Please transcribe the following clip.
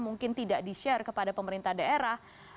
mungkin tidak di share kepada pemerintah daerah